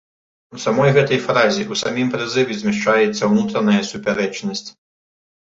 У самой гэтай фразе, у самім прызыве змяшчаецца ўнутраная супярэчнасць.